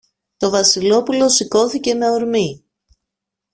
Το Βασιλόπουλο σηκώθηκε με ορμή